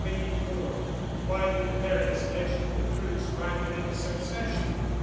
_Why do the various vegetable fruits ripen in succession?